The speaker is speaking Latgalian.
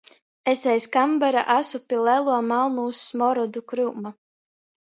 Es aiz kambara asu pi leluo malnūs smorodu kryuma.